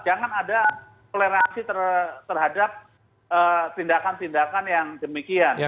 jangan ada toleransi terhadap tindakan tindakan yang demikian